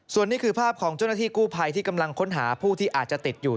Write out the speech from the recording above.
ส่วนนี้คือภาพของเจ้าหน้าที่กู้ภัยที่กำลังค้นหาผู้ที่อาจจะติดอยู่